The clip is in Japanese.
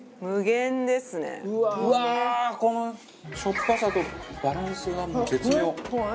しょっぱさとバランスがもう絶妙！